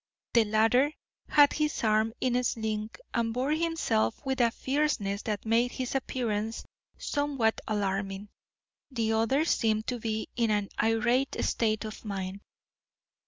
The latter had his arm in a sling, and bore himself with a fierceness that made his appearance somewhat alarming; the other seemed to be in an irate state of mind.